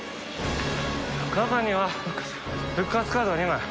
中には復活カードが２枚。